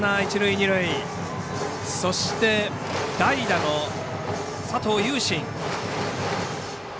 そして、代打の佐藤雄心。